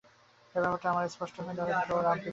এ ব্যাপারটা আরো স্পষ্ট হয়ে ধরা দিত ওর আবৃত্তিতে।